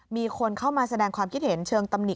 มีคนเข้ามาแสดงความคิดเห็นเชิงตำหนิ